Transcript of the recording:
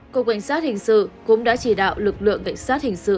cục cảnh sát hình sự cũng đã chỉ đạo lực lượng cảnh sát hình sự